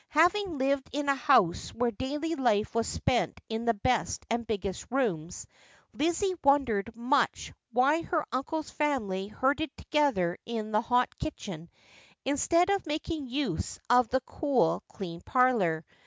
Having lived in a house where daily life was spent in the best and biggest rooms, Lizzie wondered much why her uncle's family herded together in the hot kitchen instead of making nse of the cool, clean parlour.